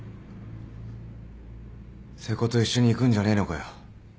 瀬古と一緒に行くんじゃねえのかよ？